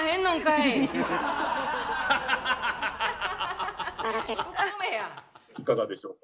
いかがでしょうか？